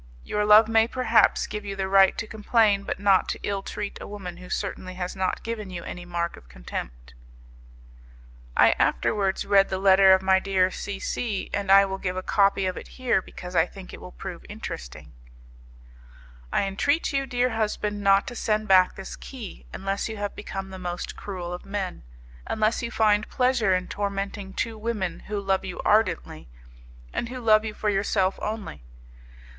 Your love may, perhaps, give you the right to complain, but not to ill treat a woman who certainly has not given you any mark of contempt." I afterwards read the letter of my dear C C , and I will give a copy of it here, because I think it will prove interesting: "I entreat you, dear husband, not to send back this key, unless you have become the most cruel of men, unless you find pleasure in tormenting two women who, love you ardently, and who love you for yourself only.